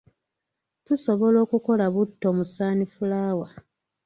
Tusobola okukola butto mu sunflower.